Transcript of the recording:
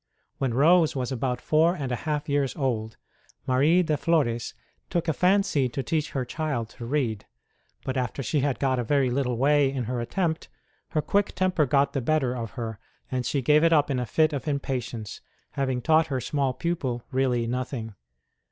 When Rose was about four and a half years old Marie de Flores took a fancy to teach her child to read ; but after she had got a very little way in her attempt, her quick temper got the better of her, and she gave it up in a fit of impatience, having taught her small pupil really nothing.